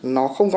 nó không có